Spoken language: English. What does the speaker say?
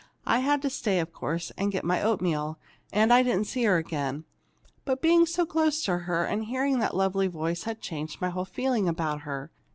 I had to stay, of course, and get my oatmeal, and I didn't see her again. But being so close to her and hearing that lovely voice had changed my whole feeling about her.